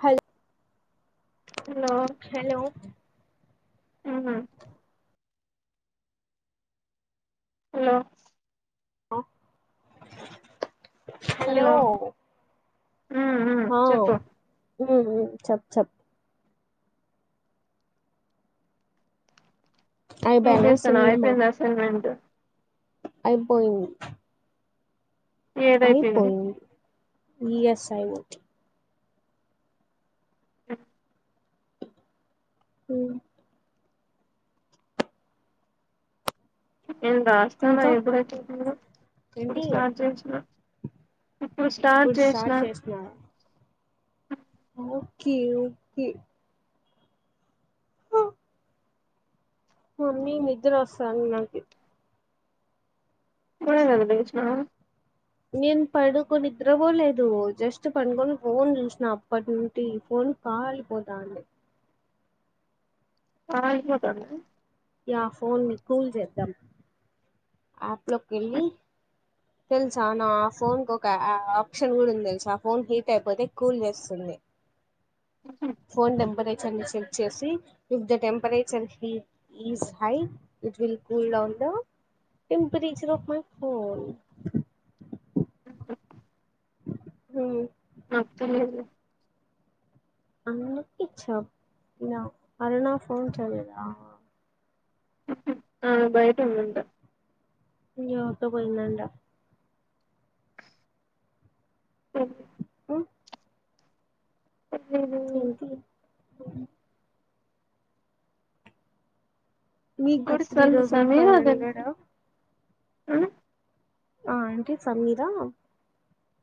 హల్ hello hello ఉ hello అ hello ఉ ఉ చెప్పు ఓ ఓ చెప్ చెప్ అయిపోయానా ఎంచేస్తున్నావ్ సినిమా అయిపోయిందా అసైన్మెంట్ అయిపోయింది ఏదైపోయింది అయిపోయింది ఎస్ ఐ ఓట్ చెప్పు హు నేను రాస్తాన్న ఇంకా ఎప్పుడై పోతుంథో ఇప్పుడు ఏంటి స్టార్ట్ చేసిన ఇప్పుడు స్టార్ట్ చేసినా ఓకే ఓకే మమ్మీ నిద్ర వస్తంది నాకి ఇప్పుడే కదా లేసినవ్ నేను పడుకొని నిద్రవోలేదు జస్ట్ పడుకొని ఫోన్ చూసిన అప్పటి నుండి ఈ ఫోన్ కాలిపోతంది కాలి పోతందా యా ఫోన్ ని కూల్ చేద్దాం యాప్ లోకి వెళ్ళి తెలుసా నా ఆ ఫోన్ కి ఒక ఆప్షన్ కూడా ఉంది తెలుస ఆ ఫోన్ హీట్ అయిపోతే కూల్ చేస్తుంది ఫోన్ నంబర్ అన్ని చెక్ చేసి with the temperature heat is high it will cool down temperature of my phone హుమ్ ఆ వస్తలేద్ అన్నకి ఇచ్చ నా అరుణా ఫోన్ చేయలేద ఆ బయట ఉందంట ఎవరితో పోయిందంట హు తెలీదు తాతయ్య ఉమ్ మీకు కూడా త్రీ థౌజండ్ ఫైవ్ హండ్రెడా ఉమ్ ఆ అంటీ సమీరా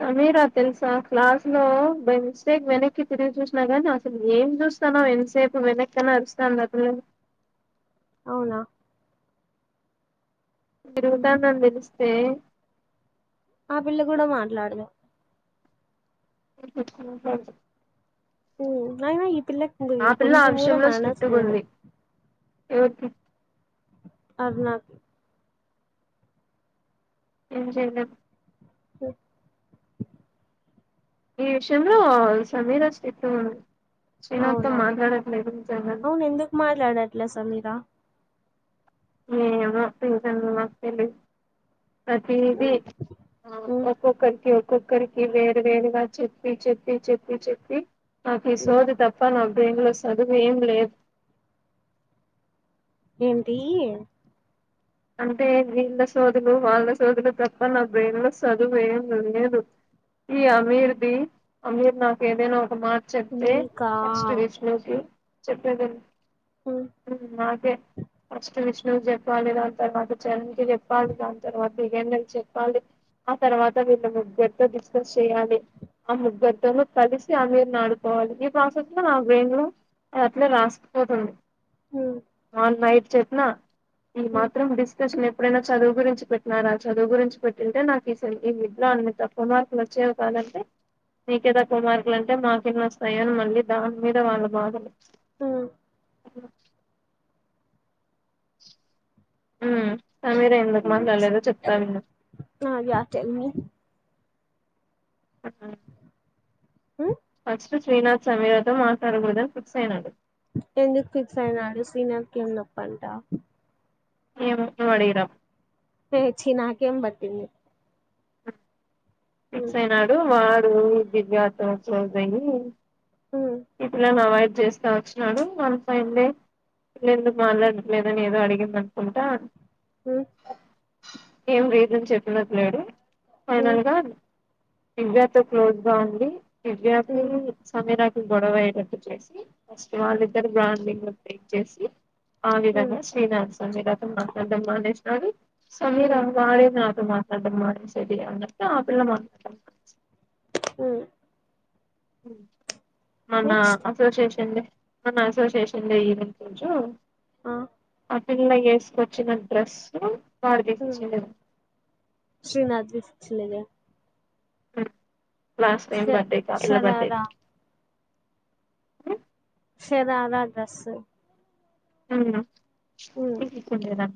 సమీరా తెలుసా క్లాస్ లో బెంచ్ సార్ వెనకి తిరిగి చూసు నాకేంటో అసలు ఏం చూస్తానావో ఎంతసేపు వెనక్కి నా అరుస్తాను అద అవునా తిరుగుతానని తేలుస్తే పే మా పిల్ల కూడా మాట్లాడదు [inaudible] ఊమ్ నైనా ఈప్ పిల్లకి ఆ పిల్ల ఆ కొంచెం కూడా మ్యానర్స్ లేదు ఎవరితో అరుణ కి ఏం చేయలేం పో ఈ విషయంలో సమీరా స్ట్రిక్ట్ గుంది అవునవును నిజంగానే అవును ఎందుకు మాట్లాడట్లే సమీరా ఏమో పింకన్న మాకు తెలీదు ప్రతీది ఉమ్ ఒక్కొక్కరికి వ ఒక్కొక్కరికి వేరు వేరుగా చెప్పి చెప్పి చెప్పి చెప్పి నాకీ ఉమ్ సోది తప్పేనా బ్రెయిన్లో చదువు ఏం లేదు ఏంటి అంటే వీళ్ళ సోదులు వాళ్ళ సోదులు తప్ప నా బ్రెయిన్ లో చదువు ఏం లేదు ఈ అమీర్ది అమీర్ నాకేదైనా కుమార్ చెప్తే నీకా ఫస్ట్ విష్ణుకి చెప్పేది విను ఉమ్ ఊం నాకే ఫస్ట్ విష్ణు కి చెప్పాలి తర్వాత చెర్రి కి జెప్పాలి దాని తర్వాత యుగేంద్రకి చెప్పాలి ఆ తర్వాత వీళ్ళ ముగ్గర్తో డిస్కస్ చేయాలి ఆ ముగ్గర్తోను కలిసి అమీర్ ను ఆడుకోవాలి ఈ ప్రాసెస్ లో నా బ్రెయిన్ లో అదట్లే రాస్కపోతుంది ఉమ్ ఆన్ నయిట్ చెప్నా ఉమ్ తీన్మార్ డిస్కషన్ ఎప్పుడైనా చదువు గురించి పెట్ట్నారా చదువు గురించి పెట్టింటే నాకు ఈ ఈ సెమ్ ఈ మిడ్ లో అన్ని తక్కువ మార్కులు వచ్చేవి కాదంటే నీకే తక్కువ మార్కులు అంటే మాకెన్నొస్తాయో అని మళ్ళీ దాని మీద వాళ్ళ బాధలు ప్చ్ ఊ ఊమ్ సమీర ఎందుకు మాట్లాడ్లేదో చెప్తా విను ఆ యా టెల్ మీ ఆ ఊ శ్రీనాథ్ సమీరాతో మాట్లాడగూడదని ఫిక్స్ అయినాడు ఎందుకు ఫిక్స్ అయినాడు శ్రీనాథ్ కి ఏం నొప్పంటా ఏమో నువ్వడిగిరాప్ ఏ ఛీ నాకేం బట్టింది ఫిక్సైనాడు వాడ్ పోయి దివ్యాతో క్లోజ్ అయి ఉమ్ ఈప్పిల్లని అవైడ్ చేస్తా వచ్చినాడు వన్ ఫైన్ డే ఎందుకు మాట్లాడం లేదని ఏదో అడిగిందనుకుంటా ఉమ్ ఏం రీజన్ చెప్పినట్లేడు ఉమ్ ఫైనల్ గా విద్యతో క్లోజ్‌గా ఉంది దివ్య కి ఉమ్ సమీరా గొడవైటట్టు చేసి ఫస్ట్ వాళ్ళిద్దరూ బాండింగ్ బ్రేక్ చేసి all the um best Srinath's Sameera తొ మాట్లాడం మానేస్ సారీ సమీరా ఉమ్ మారిన మాట్లాడం మానేసేది అన్నంత ఆ పిల్ల మాట్లాడం మంచ్ ఊ హూ మన్న నెక్స్ట్ అసోసియేషన్ దే మన్న అసోసియేషన్ దే ఈవెంట్ రోజు అ ఆ పిల్ల వేసుకొచ్చిన డ్రస్సు హూ శ్రీనాథ్ తీసి ఇచ్చిందే హూ లాస్ట్ ష టైమ్ బర్డే ఆ పిల్ల బర్డేకి షరారా షరారా డ్రసు హూ [unintelligible] ఉండదా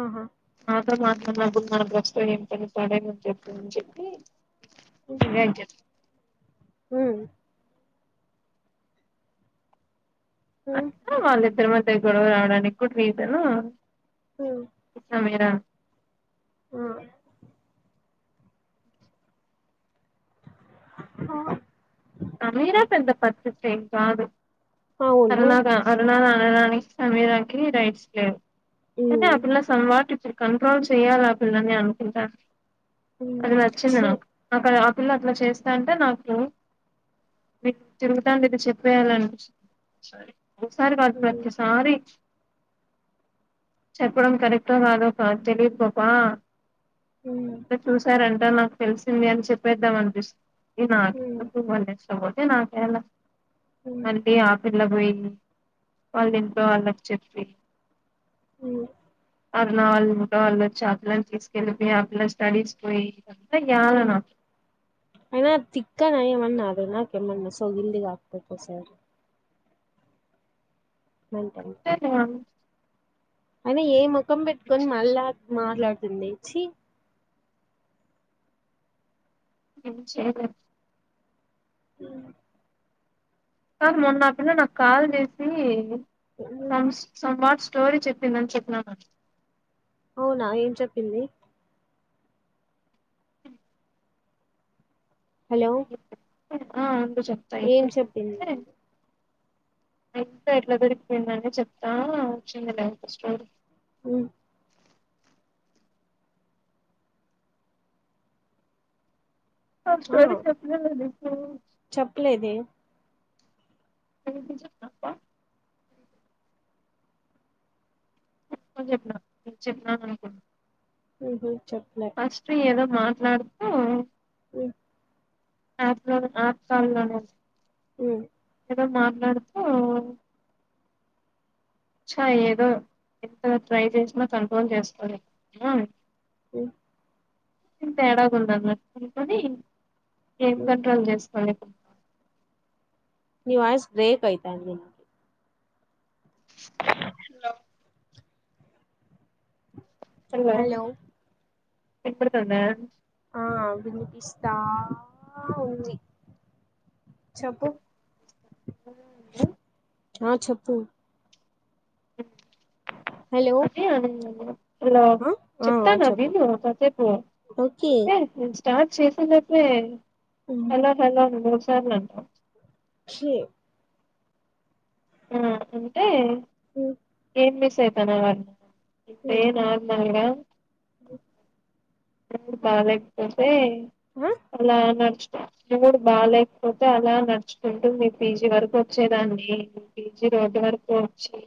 ఆహా ఆ మాత్రన్నప్పుడు మ భ్రష్టం ఏం తలుగుతాడే నేను చెప్తుందని చెప్పి ఇంకేం చెప్ హూ ఉమ్ అట్లా వాళ్ళ ఇద్దరి మధ్ టే గొడవ రావడానికి కూడ్ రీజను ఇష్టమేనా ఉమ్ హా సమీరా పెద్ద పత్తిత్ ఏం కాదు అవును అరుణ గా అరుణ నా అనడానికి సమీరాకి రైట్స్ లేవు ఉమ్ నన్నే ఆ పిల్ల సమ్ వాట్ చే కంట్రోల్ చెయ్యాలి ఆ పిల్లని అనుకుంటా ఉమ్ అది నచ్చింది ఛీ నాకు అక్కడ అ పిల్ల అట్లా చేస్తాంటే నాకు మీకు తిరుగుతాండేదే చెప్పేయాలనిపించ్ సరేలే ఓ సారి గదు ఉమ్ ప్రతి సారీ చెప్పడం కారేటో కాదొ తెలిదు పాప ఉమ్ అ చూసారంండి నాకు తెలిసింది అని చెప్పేద్దాం అంతృష్ ఏనా ఉమ్ సకుమాష్ బాటి నాకెలా ఉమ్ అనిపి ఏపీ ఇలా పోయింది వాళ్ళ ఇంట్లో వాళ్ళకి చెప్పి ఉ అరుణ వాళ్ళు ఇంట్లో వాలు వోచి ఆ పిల్లని తీసుకెళ్ళిపోయి అట్లా స్టడీస్ పోయి ఇదంతా యాల ఉ నాకు అనా తక్కానా ఏమన్నా నాకెమ్మణ సో ఇల్గ ఆక్పో సార్ మెంటల్ [unintelligible] అయినా ఏం కం ప పెట్కొ మలా మాట్లాడుతుంది చీ ఏం చెయ్యలేం మ్మ్ కాద్ మొన్న ఆ పిల్ల నాకు కాల్ చేసి సం సం స్టోరీ చెప్పిందని చెప్పినాగ అవునా ఏం చెప్పింది హలో ఆ ప్పుడు చెప్తా ఏం ఇప్పుడు చెప్పింది [unintelligible] ఇంకా ఎట్లా దొరికిపోయిందని చెప్తా వచ్చింది లే స్టోరీ మ్మ్ ఆ స్టోరీ చెప్పలేదండి చెప్పలేదే ఏంటికి చెప్పినావ్ పా చెప్పినను నేను చెప్ినను అనుకున్నాను హ్మ్ హు చెప్పలే మాట్లాడుతూ మ్మ్ యాప్ లో యాప్ కల్ లో మ్మ్ [unintelligible] మాట్లాడుతూ చ ఏదో ఎంత ట్రై చేసినా కంట్రోల్ చేసుకోలెం మ్మ్ ఎం తేడా గుందన్నట్టు ఉంటుంది ఏం కంట్రోల్ చేసుకోలి నీ వాయిస్ బ్రేక్ అయితాంది హలో [inaudible] హలో ఇనపడుతోంద ఆ వినిపిస్తా ఉంది చెప్పు మ్మ్ ఆ చెప్పు హలో అదే అనింది ఏమో హాలో ఆ ఆ ఆ చెప్తాను అవి చెప్పు [unintelligible] చెప్పు ఓకే స్టార్ట్ చేసేలోపే హలో హలో సరేలే ఛీ ఆ అంటే హు ఏ మిస్ అయితాడాడన్ ఇంతేనాందంగా మ్మ్ [unintelligible] బాగలేక పోతే ఆ అలా నడుచు మూడు బాగలేకపోతే అలా నడుచుకుంటూ మీ పీజీ వరకు వచ్చేదాన్ని పీజీ రోడ్డు వరకు వచ్చి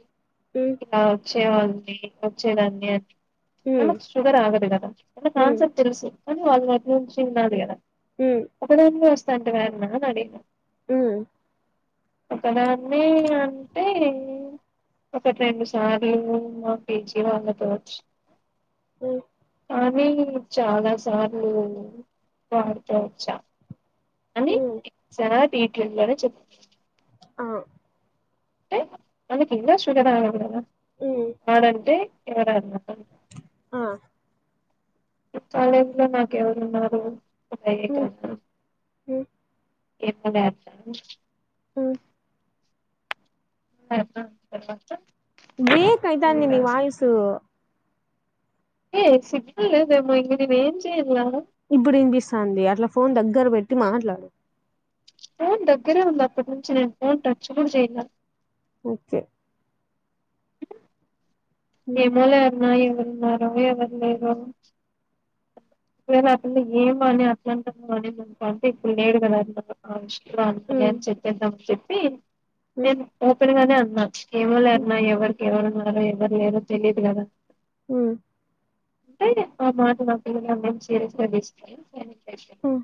మ్మ్ రావచ్చు ఏవండీ వచ్చేదాన్న్యే మ్మ్ ఆమకు షుగర్ ఆగది గదా ఎనాకు మ్మ్ ఆన్సర్ తెలుసు అ అల్ మంచి చి నాదిగా మ్మ్ ఒకక్కడ వస్త సంత వేరన్నా అడి అ అక్కడన్నే అంటే ఒకటి రెండు సార్లు మా పేజీ వాళ్ళకోచ్చు ఓ కానీ చాలా సార్లు స అచ్చ అ మ్మ్ ఇ లోనే చెప్ప ఆ అ శ కద అ మ్మ్ ఆడంతే సర ఆ కాలజ్ లో నాక ఎవ ఉన్నారురు అ క మ్మ్ మ్మ్ ఏమ లేత ఆ తర్వాత బ్రేక్ అయితా మళ్ళీ అందీని వయసు ఏయ సిలేదేమో ఇ ఏం చేయలా ఇప్పుడు వినిపిస్తుంది అట్లా ఫోన్ దగ్గర పెట్టి మాట్లాడు ఫోన్ దగ్గరే ఉంది అప్పటి నుంచి నేను ఫోన్ టచ్ కూడా చేయినా ఓకే మ్మ్ హేమాలయన్నా ఇ ఎన్నారో ఎవరు లేరో అసలు ఏమ అని అట్లా అంటున్నా అనికు అంటే ఇప్పుడు లేడు కద అ మనే మ్మ్ అంత చెప్పంది నమ్ చెప్ప తీ మ్మ్ ఏం ఓపెన్గానే అంత మ ఏమో లే మ్మ్ అన్న ఎవరికి ఎవరు వుంనారో ఎవ్వరు లేరో తెలీదు కదా హ అంటే ఆ మాట ఆ పిల్ల నమ్మించి అ మ్మ్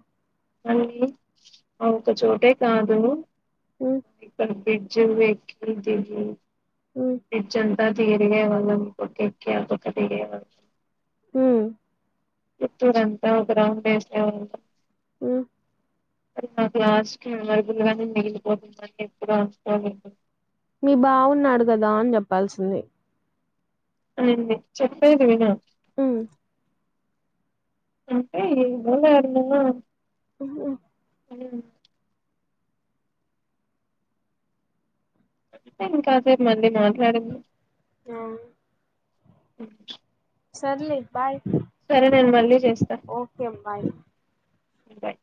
మళ్ళీ ఒకచోటే కాదు మ్మ్ జ వ్యాఖ్యా తె మ్మ్ ఏజ తిరిగే [unintelligible] పకక కది గ హ పూత్తూరు అంతా ఒక రౌండ్ వేసే వాళ్ళు ఆ అది నాకు లాస్ట్ క మెమరబుల్ గానే మిగిలిపోతుందని ఎప్పుడు అనుకోవలేదు మీ బావున్నాడు కదా అని చెప్పాల్సింది అడి చెప్పేది విను ఆ అంటే ఎవన్నాన్నా ఉఓ అవు ఇంకాదే మళ్ళీ మాట్లాడింది ఆ సర్లే బాయ్ సరే నేను మళ్ళీ చేస్తా ఓకే బాయ్ బాయ్